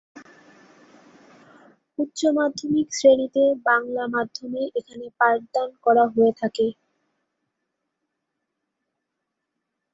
উচ্চমাধ্যমিক শ্রেণীতে বাংলা মাধ্যমে এখানে পাঠদান করা হয়ে থাকে।